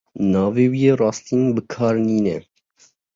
Navê wî yê rastîn bi kar nîne.